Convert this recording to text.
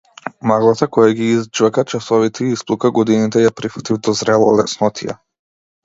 Маглата која ги изџвака часовите и исплука годините ја прифатив до зрела леснотија.